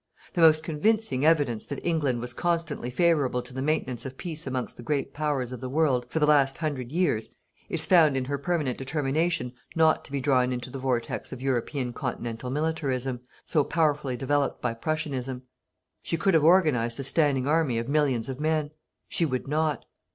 The most convincing evidence that England was constantly favourable to the maintenance of peace amongst the great Powers of the World, for the last hundred years, is found in her permanent determination not to be drawn into the vortex of European continental militarism, so powerfully developed by Prussianism. She could have organized a standing army of millions of men. She would not.